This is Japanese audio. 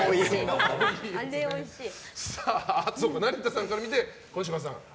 成田さんから見て小芝さんは？